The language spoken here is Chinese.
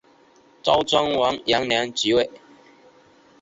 周庄王元年即位。